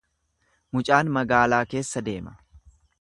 Mucaan magaalaa keessa deema.